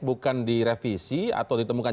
bukan direvisi atau ditemukan